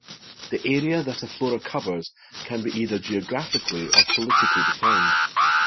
The area that a Flora covers can be either geographically or politically defined.